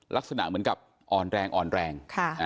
ลักษณะเหมือนกับอ่อนแรงอ่อนแรง